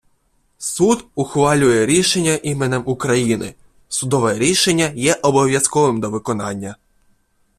Суд ухвалює рішення іменем України. Судове рішення є обов’язковим до виконання.